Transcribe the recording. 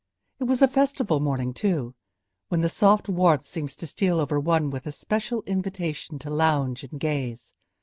It was a festival morning, too, when the soft warmth seems to steal over one with a special invitation to lounge and gaze.